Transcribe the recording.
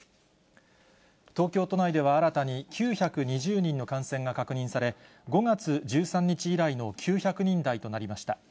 東京都内では新たに９２０人の感染が確認され、５月１３日以来の９００人台となりました。